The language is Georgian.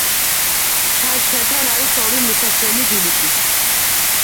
ჩანჩქერთან არის ორი მისასვლელი ბილიკი.